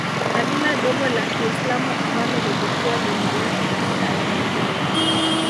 Kabila dogo la kiislamu ambalo lilikuwa limewekwa katika eneo hilo